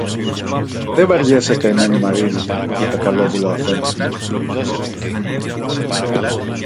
Δε βαριέσαι, καημένη Μαρίνα! είπε καλόβουλα ο αφέντης μου